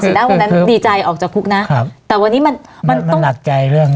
หน้าวันนั้นดีใจออกจากคุกนะครับแต่วันนี้มันมันต้องหนักใจเรื่อง